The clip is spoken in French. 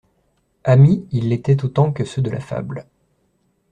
Amis, ils l'étaient autant que ceux de la fable.